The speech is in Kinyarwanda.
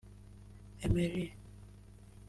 Emery